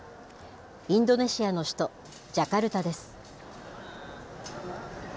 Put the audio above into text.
インドネシアの首都ジャカルタです。